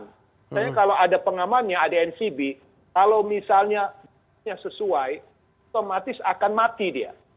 misalnya kalau ada pengamannya ada ncb kalau misalnya sesuai otomatis akan mati dia